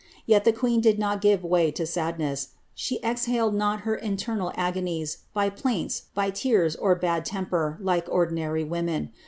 Yet the queen did not give way to sadness, she exiialed not her internal agonies by plaints, by tears, or bad temper, like ordinary women.